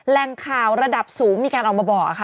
แรงข่าวระดับสูงมีการออกมาบอกค่ะ